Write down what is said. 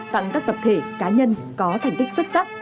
tặng các tập thể cá nhân có thành tích xuất sắc